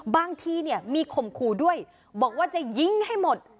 บางทีมีขมครูด้วยบอกว่าจะยิงให้หมด